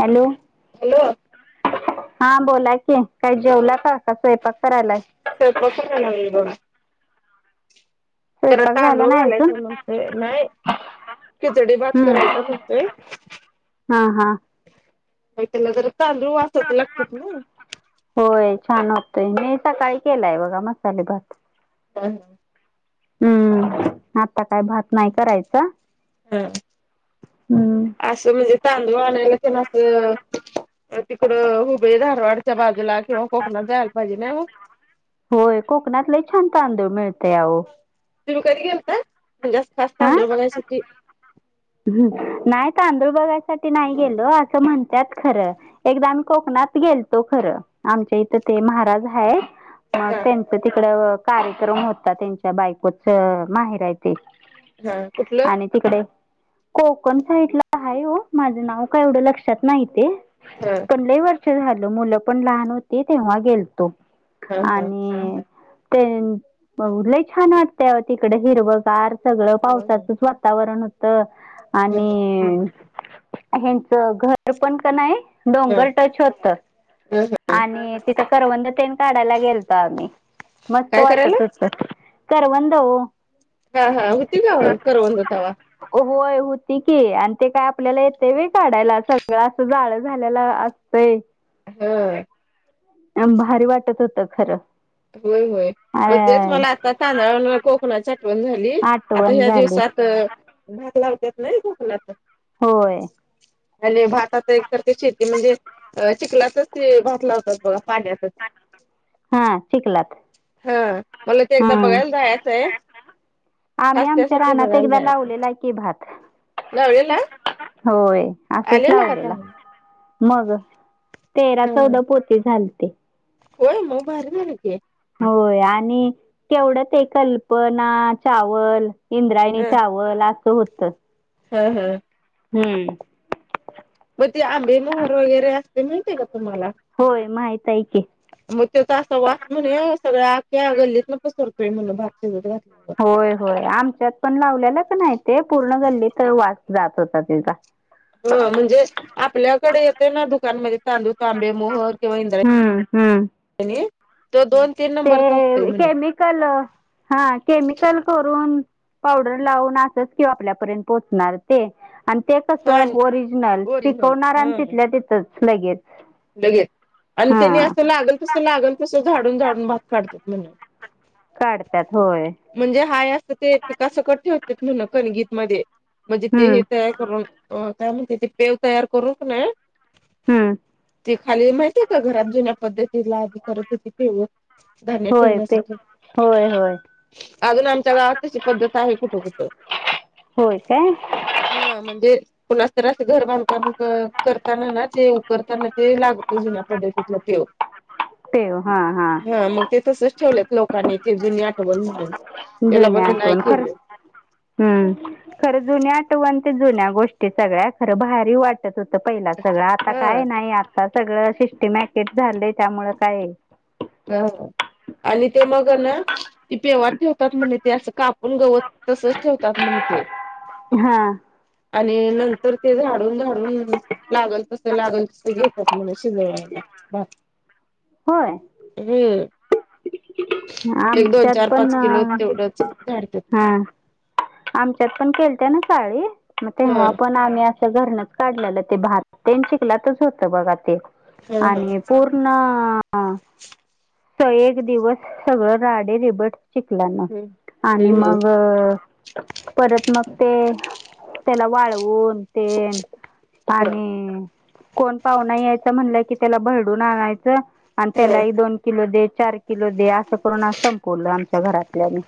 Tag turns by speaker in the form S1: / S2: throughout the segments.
S1: Hello.
S2: Hello.
S1: हा बोला की काय जेवला का का स्वयंपाक करायलाय?
S2: [unintelligible] जरा
S1: स्वयंपाक झाला
S2: तांदूळ
S1: नाही अजून
S2: घालायचं मंग ते नाही. खिचडी भात
S1: हम्म
S2: करायचा म्हणतोय.
S1: हा हा
S2: काय त्याला जरा तांदळू वासाच लागतात ना.
S1: होय छान असतय मी सकाळी केलाय बघा मसाले भात.
S2: [unintelligible]
S1: हम्म आता काय भात नाय करायचा.
S2: हा
S1: हम्म
S2: असं म्हणजे तांदूळ आणयला पण असं अ तिकडं हुबळी धारवाडच्या बाजूला किंवा कोकणात जायला पाहिजे नायं ओ.
S1: होय कोकणात लई छान तांदूळ मिळतय आहो.
S2: तुम्ही कधी गेलता म्हणजे अस खास तांदुळ बघायसाठी
S1: हं नायं तांदूळ बघायसाठी नायं गेलो असं म्हणत्यात खरं. एकदा आम्ही कोकणात गेलतो खरं आमच्या इथं ते महाराज हाय अ
S2: हा
S1: त्यां त तिकड कार्यक्रम होता त्यांच्या बायकोच माहेर हाय
S2: ह कुठलं
S1: तिकडे कोकण साईड ला हाय ओ माझं नाव कायं एवढं लक्षात नाही ते.
S2: ह
S1: लयं वर्ष झालो मुलं पण लहान होती तेव्हा गेलतो
S2: हा हा
S1: आणि तेनं लय छान वाटत तिकड हिरव गार सगळं
S2: होय
S1: पावसाचंच वातावरण होत
S2: होय. हा
S1: आणि ह्यांचं घर पण क नाय
S2: हा
S1: डोंगर टच होत
S2: हा हा
S1: आणि तिथं करवंद तेन काढायला गेल तो आम्ही मस्त
S2: काय करायला
S1: वाटत होत करवंद ओ
S2: हा हा होती का म करवंद तवा
S1: होय होती की आणि ते काय आपल्याला येतय व्हय काढायला सगळं असं जाळ झालल्या असतंय.
S2: हं
S1: पण भारी वाटत होत खरं
S2: होय होय म तेच
S1: अ
S2: मला आता तांदळावरण कोकणाची आठवण झा ली आता
S1: आठवण
S2: ह्या
S1: झाली
S2: दिवसात भात लावत्यात नायं कोकणात
S1: होय.
S2: आणि भातात एक तर ते शेती म्हणजे अ चिखलाच ते भात लावतात बघा पाण्यातच
S1: हा चिखलात
S2: ह मला ते एकदा
S1: हम्म
S2: बघायला जायाचंय.
S1: आम्ही आमच्या रानात एकदा
S2: जायचं
S1: लावलेला हाय की भात.
S2: लावलेला.
S1: होय असंच
S2: आलेला का
S1: लावलेला
S2: चांगला
S1: मग तेरा
S2: ह
S1: चौदा पोती झालते.
S2: होय म भारी झाल की
S1: होय आणि तेवढं ते कल्पना चावल इंद्रायणी
S2: ह
S1: चाव वल असं होत.
S2: ह ह
S1: हूं
S2: मग त आंबे मोहर वगैरे असते माहित का तुम्हाला.
S1: होय माहित आहे की.
S2: मग त्याचा असा वास म्हण सगळ्या आख्या गल्लीतन पसरतोय म्हण भात शिजत घातल्यावर.
S1: होय होय आमच्यात पण लावलेला कणीय ते पूर्ण गल्लीत वास जात होता त्याचा.
S2: ह म्हणजे आपल्याकडे येते ना दुकानमध्ये तांदूळ तांबे मोहर.
S1: हा हा,
S2: आणि तो दोन. तीन
S1: ते
S2: नंबरचा असतोय म्हणे
S1: केमिकल हा केमिकल. करून पावडर लावून असच किं ओ आपल्यापर्यंत पोचणार. ते आणि ते कसं
S2: पण
S1: ओरिजनल
S2: ओरिजनल
S1: पिकवणार आणि
S2: हम्म
S1: तिथल्या तिथंच लगेच.
S2: लगेच आणि त्यानी
S1: हा
S2: असं लागल तसं लागल तस झाडून झाडून भात काढतात म्हण.
S1: काडतात होय.
S2: मणजे हाय अस ते पिका सकट ठेवत्यात म्हन कणगीत मदे मणजे ते
S1: हम्म
S2: हे तयार करून. अ काय मणते ते पेव तयार करून का नाय
S1: हम्म.
S2: ती खाली माहिती आहे का घरात जुन्या पद्धतीला करत होती पेव. धान्य
S1: होय ते
S2: ठेवण्यासाठी.
S1: होय होय
S2: आजुन आमच्या गावात तशी पदत आहे कुट कुट.
S1: होय काय.
S2: हा मणजे कुणाच तर असं घर बांधकाम क करताना ना ते उकरताना. ते लागतं जुन्या पद्धतीतला पेव.
S1: तेव हा हा.
S2: ह म ते तसच ठेवल्यात लोकांनी ते जुनी आटवण म्हणून त्याला
S1: जुनी
S2: बंद नाइ
S1: आठवण खरं
S2: केलं.
S1: हम्म खरं जुन्या आटवण ते जुन्या गोष्टी सगळ्या खरं भारी वाटत. त्या होत पहिला सगळं आता काय
S2: हा
S1: नाइ आता सगळं शिष्टी मॅकेट झालंय त्यामुळ काय.
S2: अ आणि ते मग ना. ती पेव ठेवतात म्हण ते अस कापून गवत तसच ठेवतात मण ते.
S1: हा
S2: आणि नंतर ते झाडून झाडून लागल तसं लागल तसं घेतात म्हन. चिगळ हाय का बाद.
S1: होय.
S2: हम्म. एक दोन
S1: आमच्यात
S2: चार
S1: पण
S2: पाच किलो तेवढंच झाडतात
S1: हा. आमच्यात पण केलत ना साळी म
S2: हा
S1: तेव्हा पण आमी असं. तर घरणच काडल्याल ते भात तेन चिकलातच बघा ते
S2: हा हा
S1: आणि पूर्ण. ना आ सगळे एक दिवस सगळं राडे रीबेट. चिकलान
S2: हम्म
S1: आणि
S2: हम्म हम्म
S1: मग आ. परत मग ते तेला वाळवून तेन.
S2: हा.
S1: आणि कोण पावूना यायचा म्हणलं कि त्याला भरडून आणायचं. आणि त्याला
S2: हम्म
S1: ही दोन किलो दे चार किलो दे असं करून संपवलं आमच्या घरातल्यानी.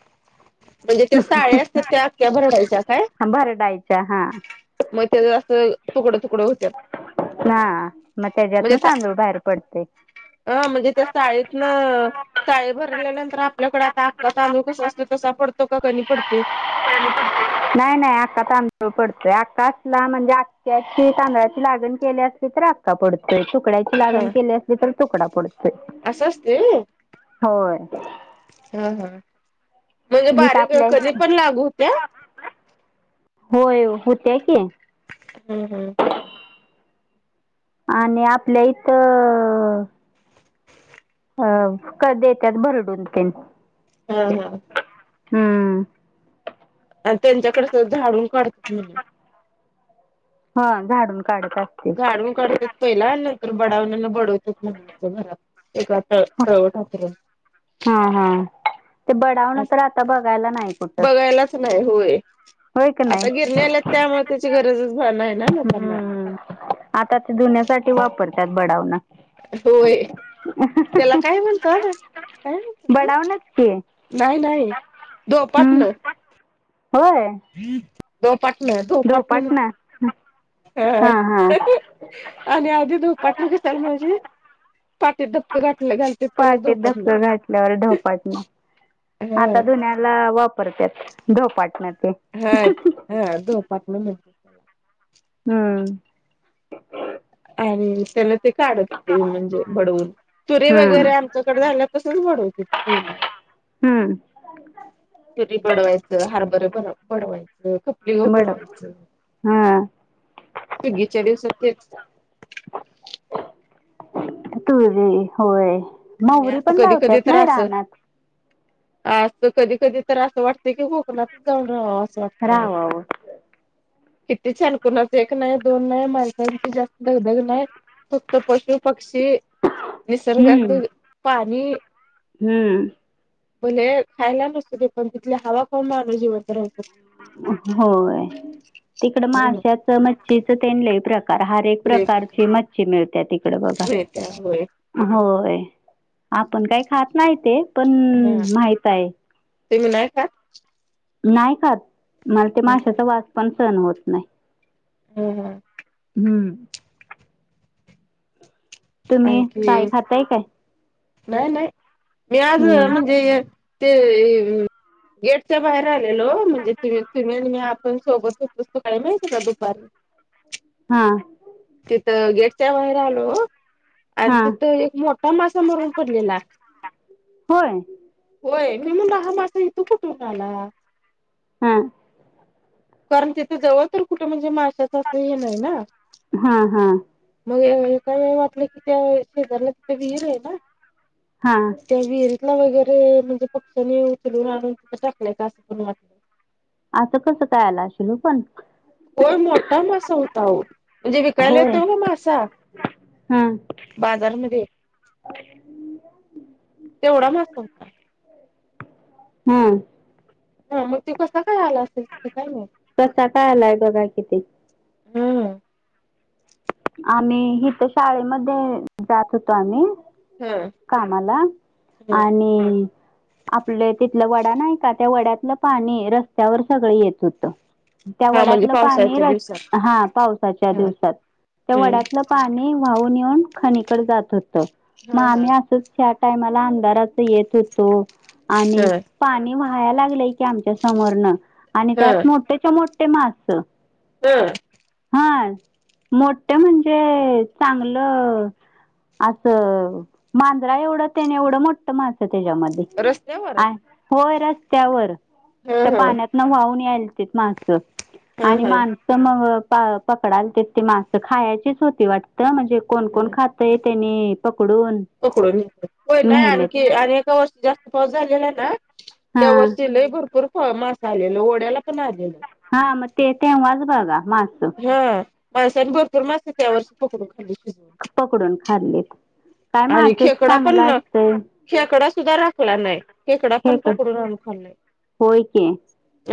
S2: म्हणजे ते साळे असत्यात त्या आख्या भरडयच्या काय.
S1: भरडायच्या हा.
S2: मग तेज असं तुकड तुकड होत्यात.
S1: हा म तेज्यातन
S2: म्हणजे
S1: तांदूळ बाहेर पडतय.
S2: अ मणजे त्या साळीन. साळी भरल्यानंतर आपल्याकडे आता आपख तांदूळ कस असतो तसा पडतो का कमी पडते. [inaudible]
S1: नाय नाय आत्ता तांदूळ पडतय अक्का असला म्हणजे अखख्याची तांदळाची लागण केली असली तर त पडतोय तुकड्याची लागण केली असली तर तुकडा पडत
S2: अस असतय होय
S1: होय
S2: हं हं म्हणजे
S1: इथं
S2: बारीक
S1: आपल्या
S2: कधी पण लागू हूत्या
S1: होय हूत्या की
S2: हं हं
S1: आणि आपल्या इत अ क देत्यात भरडून तेन
S2: हं हं
S1: हम्म
S2: आणि त्यांच्याकड ते झाडून कडतील म
S1: हा झाडून काडत अस
S2: झाडून काडत्यात पइला आणि नंतर बडावनीन बडवत्यात म्हण अस घरात एका [unintelligible]
S1: हा हा ते बडावणं तर आता बगायला नाय कुट
S2: बघायलाच नाही होय आता गिरणी आल्यात त्यामुळे त्याची गरजच नाही ना लोकांना
S1: हम्म. आता ते धुण्यासाठी वापरत्यात बडावण
S2: होय त्याला काय म्हणतात? काय म्हणत तू
S1: बडावणंच की
S2: नाही नाही
S1: हम्म होय.
S2: धोपाटन धोपाटन
S1: ढोपाटना
S2: म्हण हं हा हा आणि आधी धोपाटण कशाला म्हणायचे पाटीत धपकं घाटलं घालत्यात त्याला
S1: पाटेत
S2: धोपाटण
S1: धक्का घातल्यावर ढोपाटना
S2: हा
S1: आता धुन्याला वापरत्यात धोपाटन ते
S2: हा ह् धोपाटण म्हण
S1: हम्म
S2: आणि त्याला ते काढत होते म्हणजे बडवून तुरे
S1: हम्म
S2: वगैरे आमच्याकडे झाल्यात तसच वाडवत्याती ती पहिला
S1: हम्म
S2: तुरी बडवायचं हारबरं बड बडवायचं यलोग
S1: बड
S2: बडवायच
S1: हा
S2: सुगीच्या दिवसात तेच
S1: तुरी होय
S2: आणि
S1: महुरी
S2: असं
S1: पण
S2: कधी कधी
S1: लावत्यात
S2: तर
S1: नाही
S2: असं
S1: रानात
S2: असं कधी कधी तर असं वाटतय की कोकणातच जाऊन राव्हावं असं वाटतंय अवो
S1: रावावर
S2: किती छान कुणाच एक नाही दोन नाही माणसांची जास्त दगधग नाही. फक्त पशु पक्षी निसर्गाच
S1: हम्म
S2: पाणी
S1: हम्म
S2: भले खायला नसूदे पण तिथली हवा खाऊन माणूस जिवंत राहू शक
S1: होय तिकड
S2: हं,
S1: माशाचं मच्छीचं तेण लई प्रक हर एक
S2: लय प्रकार
S1: प्रकारची मच्छी मिळत्या तिकड बघा
S2: मिळत्या होय
S1: होय आपण काही खात नाही ते पण
S2: हा
S1: माहित आहे.
S2: तुम्ही नाही खात?
S1: नाही खात मला ते माशाचा वास पण सहण होत नाही.
S2: [unintelligible]
S1: हम्म तुम्ही काय
S2: आणखी
S1: खाताय काय
S2: नाही, नाही, मी आज
S1: हम्म
S2: म्हणजे ते- गेटच्या बाहेर आलेलो, म्हणजे तुम तुम्ही आणि मी आत- सोबतच पुस्तक आहे [unintelligible] दुकान -
S1: हा.
S2: तिथं गेटच्या बाहेर आलो आणि
S1: हा
S2: तिथं एक मोठा मासा मरून- मेला.
S1: होय
S2: होय, मी हा मासा इथून कुठून मासा आला?
S1: हा.
S2: कारण, तिथं जवळ तर कुठे म्हणजे माशाचं असं हे नाही ना?
S1: हा, हा.
S2: मग एका हे वाटलं की, त्या शेजारला तिथं विहीर आहे ना?
S1: हा.
S2: त्या विहिरीला वगैरे, म्हणजे पक्ष्यांनी उचलून आणून तिथं टाकलंय का असं पण वाटलं?
S1: असं कसं काय आला [unintelligible] पण
S2: होय, मोठा मासा होता आवो. म्हणजे विकायला
S1: होय
S2: येतोय बघ, मासा
S1: हा
S2: बाजारमध्ये- तेवढा मासा होता.
S1: हम्म.
S2: हं, मग तो कस काय आला असेल काय माहित?
S1: कसा काय आलाय बघा की ते.
S2: हम्म.
S1: आम्ही, हिथं शाळेमध्ये जात होतो आम्ही-
S2: हा
S1: कामाला
S2: हा
S1: आणि- आपलं तिथला वडा नाही का, त्या वड्यातलं पाणी रस्त्यावर सगळं येत होतं. त्या
S2: हा म्हणजे
S1: वड्यातलं पाणी
S2: पावसाळच्या दिवसात
S1: रस- हा, पावसाच्या
S2: हा
S1: दिवसात. त्या
S2: हम्म
S1: वड्यातलं पाणी वाहून येऊन खनीकडे जात होतं, मग
S2: हा हा.
S1: आम्ही असंच- त्या टायमाला अंधारात येत होतो आणि-
S2: हा
S1: पाणी व्हायला लागलंय की, आमच्या समोरनं आणि
S2: हा
S1: त्यात मोठ्याच्या मोठे मास.
S2: हं [unintelligible]
S1: हा, मोठ्या म्हणजे चांगलं- असं मांजरा एवढं त्याने एवढं मोठ मास त्याच्यामध्ये.
S2: रस्त्यावर
S1: आ- होय रस्त्यावर.
S2: हा
S1: त्या
S2: हा
S1: पाण्यातन वाहून यायलतीत मास
S2: हा
S1: आणि
S2: हा
S1: माण- तर मग पकडालतीत ती मासं खायचीच होती वाटतं, म्हणजे कोण, कोण
S2: हा.
S1: खातय- तेनी पकडून-
S2: पकडून [unintelligible] होय, नाही
S1: नेलेत
S2: आणखी आणि एका वर्षी जास्त पाऊस झालेला आहे ना- त्यावर
S1: हां
S2: शिलही भरपूर मास आलेल, ओढ्याला पण आलेल.
S1: हा मग ते तेव्हाच बगा मास.
S2: हा म स बोर [unintelligible]
S1: [unintelligible] पकडून खाल्लीत काय
S2: आणि
S1: मासच
S2: खेकडा
S1: चांगला
S2: पण
S1: असतय.
S2: खेकडा सुद्धा राखला नाही, खेकडा
S1: हे
S2: पण
S1: क
S2: पकडून आणून खाल्लय.
S1: होय की.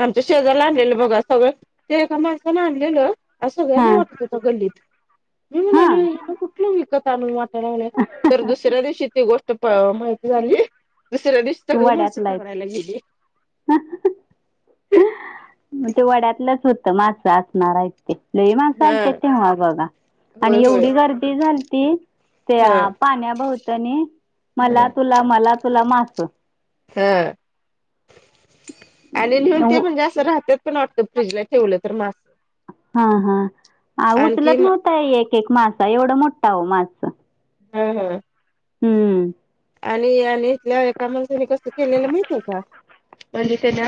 S2: आमच्या शेजारला आणलेलं बघा सगळं, ते एका माणसाने आणलेलं. अस सगळ्यांना
S1: हां
S2: वाटत होता गल्लीत, मी
S1: हां
S2: म्हणालो हीत कुठलं विकत आण वाटायला- लागलंय तर दुसऱ्या दिवशी ती गोष्ट माहिती झाली, दुसऱ्या दिवशी सगळी मासे
S1: वड्यातला आहे
S2: पकडायला गेली.
S1: ते वड्यातलंच होतं, मासं असणार आहे. लई माणसं
S2: हा
S1: आलतीत तेव्हा बघा
S2: होय
S1: आणि
S2: होय
S1: एवढी गर्दी झालती.
S2: हा
S1: त्या पाण्या भवतनी मला तुला मला तुला मास
S2: ह आणि नीहून ते
S1: उ-
S2: पण जास्त राहत त्यात पण वाटतं फ्रीजला ठेवलं तर मास.
S1: हा हा.
S2: आणखी
S1: उचलत नव्हत एक एक मासा एवढं मोठा ओ मासा.
S2: ह ह.
S1: हम्म.
S2: आणि आणि इथल्या एका माणसाने कसं केलेलं माहितीय का? म्हणले त्याने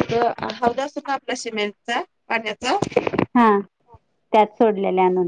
S2: आस हौद असतो ना आपला सीमेंटचा पाण्याचा
S1: हा त्यात सोडलेले आणून.